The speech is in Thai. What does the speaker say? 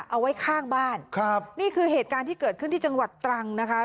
เอาไว้ข้างบ้านครับนี่คือเหตุการณ์ที่เกิดขึ้นที่จังหวัดตรังนะคะ